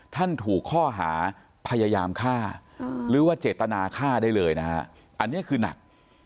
ถูกข้อหาพยายามฆ่าหรือว่าเจตนาฆ่าได้เลยนะฮะอันนี้คือหนัก